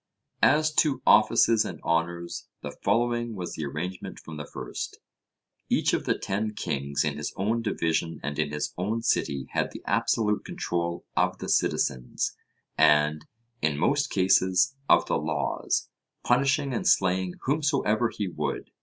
As to offices and honours, the following was the arrangement from the first. Each of the ten kings in his own division and in his own city had the absolute control of the citizens, and, in most cases, of the laws, punishing and slaying whomsoever he would.